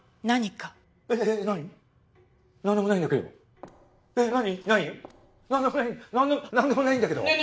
なんでもないんだけど。